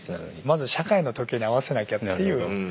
まず社会の時計に合わせなきゃっていう。